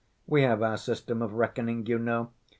We have our system of reckoning, you know.